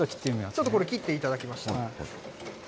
ちょっとこれ、切っていただきました。